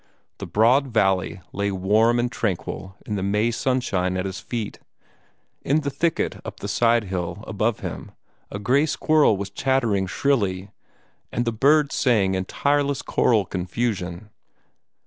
The broad valley lay warm and tranquil in the May sunshine at his feet. In the thicket up the side hill above him a gray squirrel was chattering shrilly, and the birds sang in a tireless choral confusion.